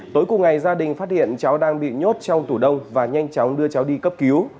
tối cùng ngày gia đình phát hiện cháu đang bị nhốt trong tủ đông và nhanh chóng đưa cháu đi cấp cứu